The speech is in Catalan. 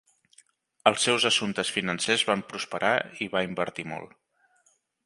Els seus assumptes financers van prosperar i va invertir molt.